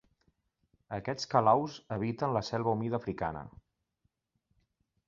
Aquests calaus habiten la selva humida africana.